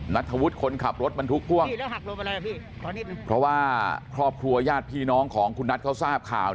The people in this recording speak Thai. นัทธวุฒิคนขับรถบรรทุกพ่วงอะไรเพราะว่าครอบครัวญาติพี่น้องของคุณนัทเขาทราบข่าว